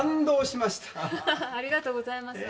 ありがとうございます。